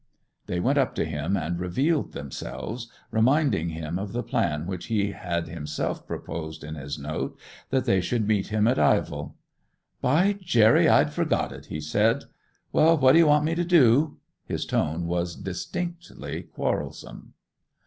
They went up to him, and revealed themselves, reminding him of the plan which he had himself proposed in his note, that they should meet him at Ivell. 'By Jerry, I'd forgot it!' he said. 'Well, what do you want me to do?' His tone was distinctly quarrelsome.